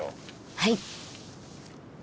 はい。